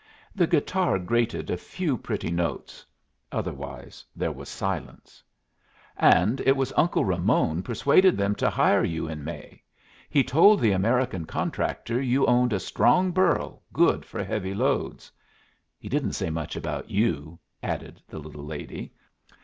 The guitar grated a few pretty notes; otherwise there was silence. "And it was Uncle Ramon persuaded them to hire you in May. He told the American contractor you owned a strong burro good for heavy loads. He didn't say much about you," added the little lady.